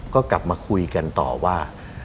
ก็กลับมาคุยกันต่อว่า